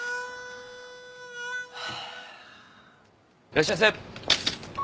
いらっしゃいませ。